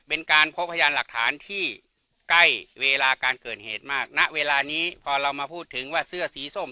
เป็นการพบพยานหลักฐานที่ใกล้เวลาการเกิดเหตุมากณเวลานี้พอเรามาพูดถึงว่าเสื้อสีส้ม